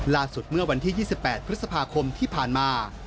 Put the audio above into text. เมื่อวันที่๒๘พฤษภาคมที่ผ่านมา